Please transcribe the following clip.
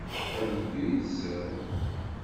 Ad yeddu yid-sen?